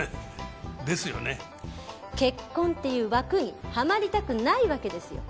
結婚っていう枠にはまりたくないわけですよ。